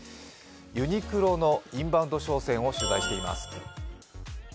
ユニクロのインバウンド商戦を取材しています。